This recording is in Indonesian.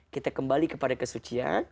kita kembali kepada kesucian